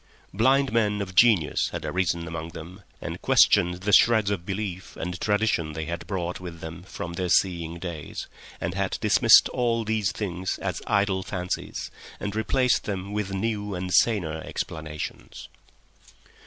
Blind men of genius had arisen among them and questioned the shreds of belief and tradition they had brought with them from their seeing days, and had dismissed all these things as idle fancies and replaced them with new and saner explanations.